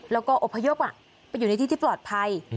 แล้วก็อบพยพไปอยู่ในที่ที่ปลอดภัย